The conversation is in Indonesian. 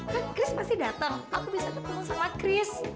kan kris pasti datang aku bisa ketemu sama kris